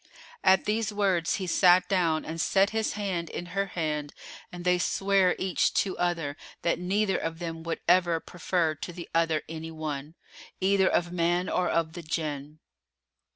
At these words he sat down and set his hand in her hand and they sware each to other that neither of them would ever prefer to the other any one, either of man or of the Jann.